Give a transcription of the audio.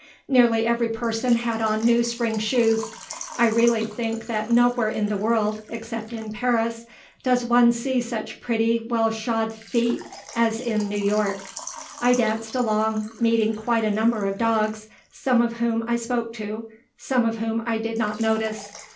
Nearly every person had on new spring shoes. I really think that nowhere in the world, except in Paris, does one see such pretty, well shod feet as in New York. I danced along, meeting quite a number of dogs, some of whom I spoke to, some of whom I did not notice.